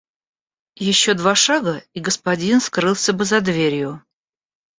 Ещё два шага и господин скрылся бы за дверью.